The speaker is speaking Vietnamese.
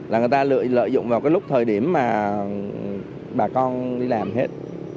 là người ta lợi dụng vào cái lúc thời điểm mà bà con đi làm hết